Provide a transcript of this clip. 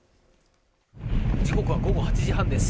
時刻は午後８時半です。